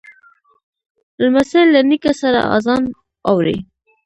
لمسی له نیکه سره آذان اوري.